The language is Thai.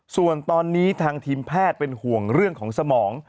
ส่วนตอนนี้ทางทีมแพทย์เป็นห่วงเรื่องของสมอง